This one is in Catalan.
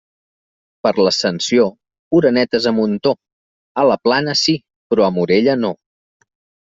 Per l'Ascensió, orenetes a muntó; a la Plana sí, però a Morella no.